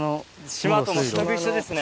島と全く一緒ですね。